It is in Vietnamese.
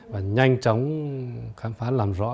và nhanh chóng khám phá làm rõ